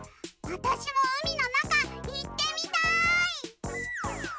わたしもうみのなかいってみたい！